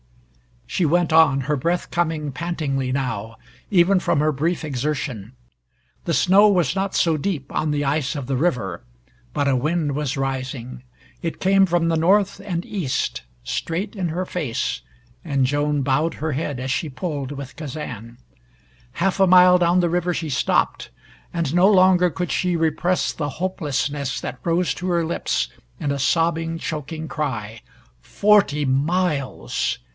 She went on, her breath coming pantingly now, even from her brief exertion. The snow was not so deep on the ice of the river. But a wind was rising. It came from the north and east, straight in her face, and Joan bowed her head as she pulled with Kazan. Half a mile down the river she stopped, and no longer could she repress the hopelessness that rose to her lips in a sobbing choking cry. Forty miles!